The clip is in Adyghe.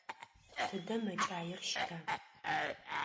Тыдэ мэкӏаир щыта?